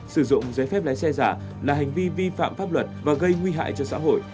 sử dụng giấy phép lái xe giả là hành vi vi phạm pháp luật và gây nguy hại cho xã hội